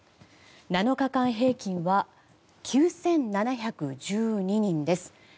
７日間平均は９７１２人です。